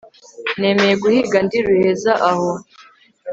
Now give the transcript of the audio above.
nemeye guhiga ndi ruheza aho